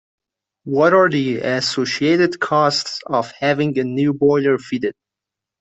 What are the associated costs of having a new boiler fitted?